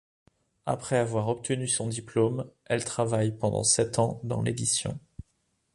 Après avoir obtenu son diplôme, elle travaille pendant sept ans dans l'édition.